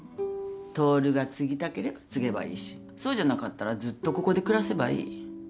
トオルが継ぎたければ継げばいいしそうじゃなかったらずっとここで暮らせばいい。